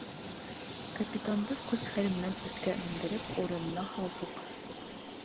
Капитанды көс-хәл менән өҫкә мендереп, урынына һалдыҡ.